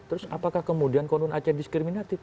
terus apakah kemudian konun aceh diskriminatif